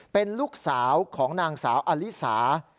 เป็นลูกสาวของนางสาวอลิสา